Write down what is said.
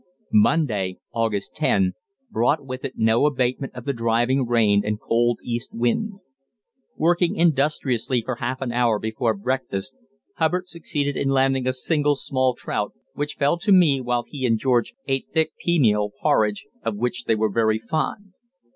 Monday (August 10) brought with it no abatement of the driving rain and cold east wind. Working industriously for half an hour before breakfast, Hubbard succeeded in landing a single small trout, which fell to me, while he and George ate thick pea meal porridge, of which they were very fond.